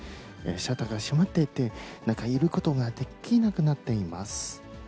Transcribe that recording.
シャッターが閉まっていて、中に入ることができなくなっています。